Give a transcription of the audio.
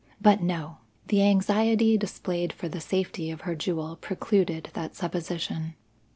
But no! the anxiety displayed for the safety of her jewel precluded that supposition.